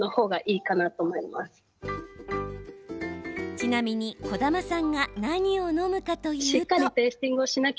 ちなみに、児玉さんが何を飲むかというと。